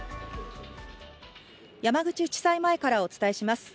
山口地裁前からお伝えします。